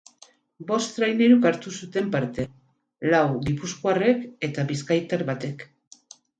Bost traineruk hartu zuten parte, lau gipuzkoarrek eta bizkaitar batek.